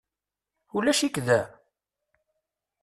Ulac-ik da?